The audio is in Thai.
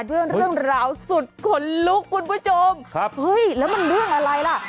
ด้วยเรื่องราวสุดขนลุกคุณผู้ชมแล้วมันเรื่องอะไรล่ะ